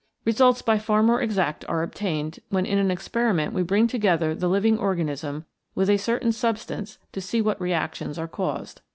Results by far more exact are obtained when in an experiment we bring together the living organism with a certain substance to see what reactions are caused.